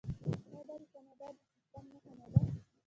آیا دا د کاناډا د سیستم نښه نه ده؟